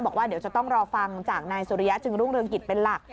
บอกว่าเดี๋ยวจะต้องรอฟังจากนายสุริยะจึงรุ่งเรืองกิจเป็นหลัก